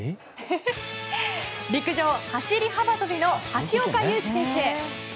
陸上、走幅跳の橋岡優輝選手。